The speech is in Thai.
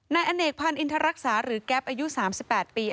นายอเนกพันธ์อินทรรักษาหรือแก๊ปอายุ๓๘ปี